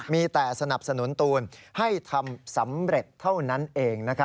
มีแต่สนับสนุนตูนให้ทำสำเร็จเท่านั้นเอง